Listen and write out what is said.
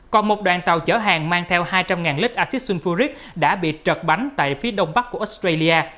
còn một đoàn tàu chở hàng mang theo hai trăm linh lít axit sulfuric đã bị trợt bánh tại phía đông bắc của australia